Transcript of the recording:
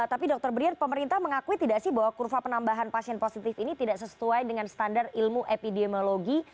tapi dr brian pemerintah mengakui tidak sih bahwa kurva penambahan pasien positif ini tidak sesuai dengan standar ilmu epidemiologi